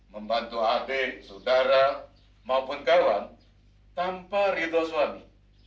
membantu adik saudara maupun kawan tanpa ridho suami